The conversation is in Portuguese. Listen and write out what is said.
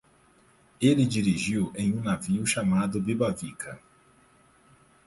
Ele dirigiu em um navio chamado Bibavica.